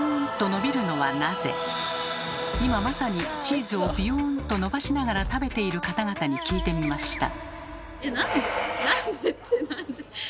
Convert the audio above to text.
今まさにチーズをビヨンと伸ばしながら食べている方々に聞いてみました。